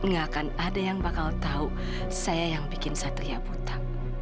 gak akan ada yang bakal tahu saya yang bikin satria buta